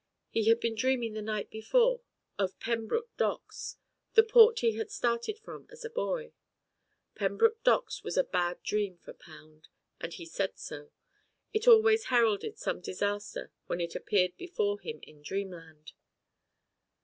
He had been dreaming the night before of Pembroke docks, the port he had started from as a boy. Pembroke docks was a bad dream for Pound, and he said so. It always heralded some disaster when it appeared before him in dreamland.